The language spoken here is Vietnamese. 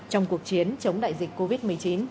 trong cuộc chiến chống đại dịch covid một mươi chín